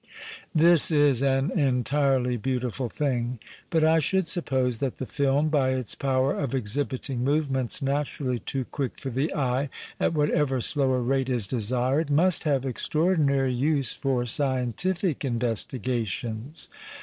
This is an entirely beautiful thing ; but I should suppose that the film, by its power of exhibiting movements naturally too quick for the eye at whatever slower rate is desired, must have extraordinary use for scicntilic investigations.